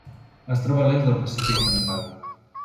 Es troba a l'est del Pacífic central: